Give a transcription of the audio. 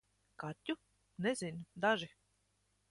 Kaķu? Nezinu - daži.